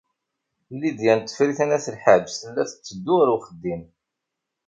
Lidya n Tifrit n At Lḥaǧ tella tetteddu ɣer uxeddim.